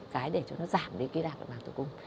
cái để cho nó giảm cái lạc để bằng tử cung